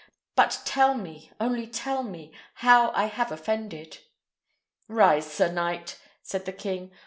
But tell me, only tell me, how I have offended." "Rise, sir knight," said the king.